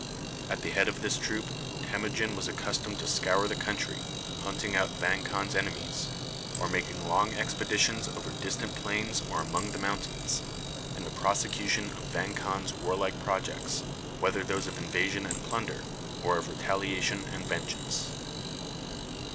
At the head of this troop Temujin was accustomed to scour the country, hunting out Vang Khan's enemies, or making long expeditions over distant plains or among the mountains, in the prosecution of Vang Khan's warlike projects, whether those of invasion and plunder, or of retaliation and vengeance.